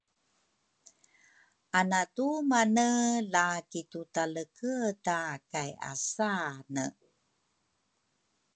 Anatumane la kitutaleke ta kayasane